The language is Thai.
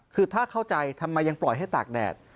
คือถ้าเข้าใจทำไมยังปล่อยให้ตากแดด